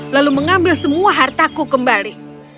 lalu mengambil semua hartaku kembali